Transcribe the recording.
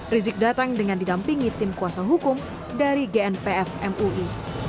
rizik datang dengan didampingi tim kuasa hukum dari gnpf mui